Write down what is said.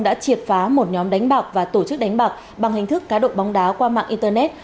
đã triệt phá một nhóm đánh bạc và tổ chức đánh bạc bằng hình thức cá độ bóng đá qua mạng internet